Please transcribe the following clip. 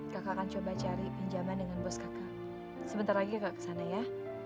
kakak akan coba cari pinjaman dengan bos kakak sebentar lagi kakak kesana ya